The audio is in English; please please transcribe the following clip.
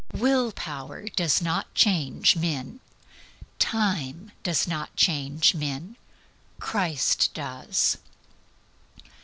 Will power does not change men. Time does not change men. CHRIST DOES.